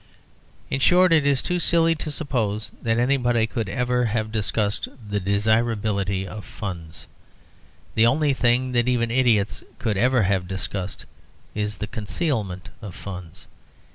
In short, it is too silly to suppose that anybody could ever have discussed the desirability of funds. The only thing that even idiots could ever have discussed is the concealment of funds.